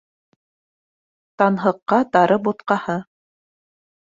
Танһыҡҡа тары бутҡаһы.